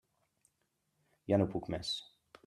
Ja no puc més.